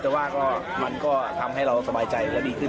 แต่ว่าก็มันก็ทำให้เราสบายใจและดีขึ้น